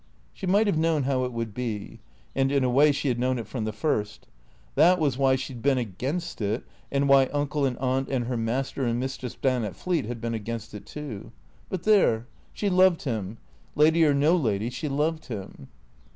She might have known how it would be. And in a way she had known it from the first. That was why she 'd been against it, and why Uncle and Aunt and her master and mistress down at Fleet had been against it too. But there — she loved him. Lady or no lady, she loved him.